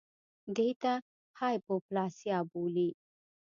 دې ته هایپوپلاسیا بولي